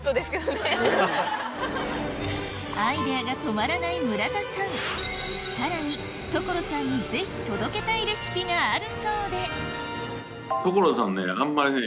アイデアが止まらない村田さんさらに所さんにぜひ届けたいレシピがあるそうで所さんねあんまりね。